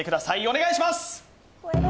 お願いします